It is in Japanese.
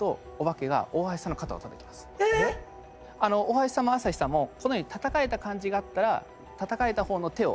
大橋さんも朝日さんもこのようにたたかれた感じがあったらたたかれた方の手を上げてください。